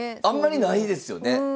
あんまりないですよね。